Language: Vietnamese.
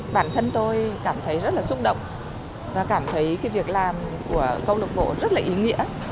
bản thân tôi cảm thấy rất là xúc động và cảm thấy việc làm của câu lạc bộ rất là ý nghĩa